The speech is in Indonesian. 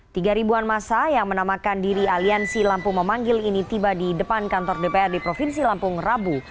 tiga ribuan masa yang menamakan diri aliansi lampu memanggil ini tiba di depan kantor dprd provinsi lampung rabu